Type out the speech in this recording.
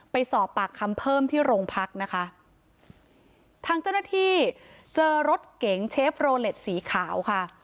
ไปสอบปากคำเพิ่มที่โรงพักนะคะทางเจ้าหน้าที่เจอรถเก๋งเชฟโรเล็ตสีขาวค่ะ